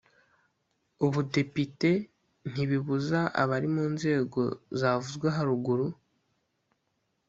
ubudepite ntibibuza abari mu nzego zavuzwe haruguru.